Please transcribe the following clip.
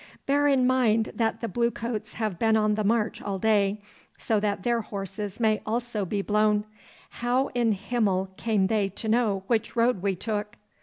'Bear in mind that the Bluecoats have been on the march all day, so that their horses may also be blown. How in Himmel came they to know which road we took?